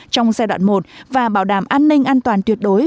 trong giai đoạn một và bảo đảm an ninh an toàn tuyệt đối